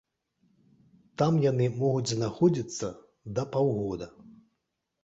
Там яны могуць знаходзіцца да паўгода.